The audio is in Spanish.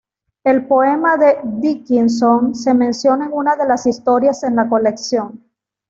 El poema de Dickinson se menciona en una de las historias en la colección.